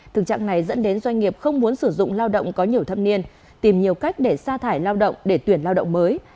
thực trạng này dẫn đến doanh nghiệp không muốn sử dụng lao động có nhiều thâm niên tìm nhiều cách để sa thải lao động để tuyển lao động mới